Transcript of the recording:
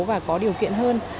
và có điều kiện hơn